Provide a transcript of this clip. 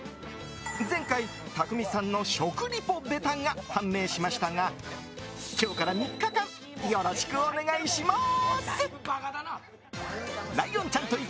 前回たくみさんの食リポ下手が判明しましたが今日から３日間よろしくお願いします！